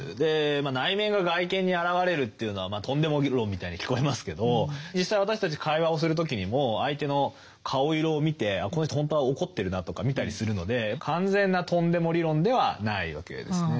内面が外見に現れるというのはトンデモ理論みたいに聞こえますけど実際私たち会話をする時にも相手の顔色を見てあこの人ほんとは怒ってるなとか見たりするので完全なトンデモ理論ではないわけですね。